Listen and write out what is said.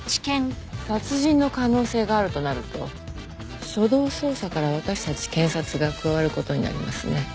殺人の可能性があるとなると初動捜査から私たち検察が加わる事になりますね。